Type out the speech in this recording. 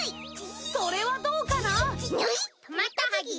それはどうかな？にゅい？